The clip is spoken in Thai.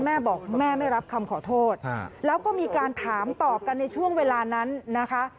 แม่บอกแม่ไม่รับคำขอโทษแล้วก็มีการถามตอบกันในช่วงเวลานั้นนะคะ